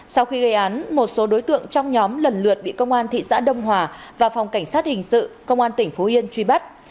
sau khi gây án một số đối tượng trong nhóm lần lượt bị công an thị xã đông hòa và phòng cảnh sát hình sự công an tỉnh phú yên truy bắt